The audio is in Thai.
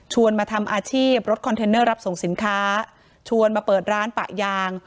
มาทำอาชีพรถคอนเทนเนอร์รับส่งสินค้าชวนมาเปิดร้านปะยาง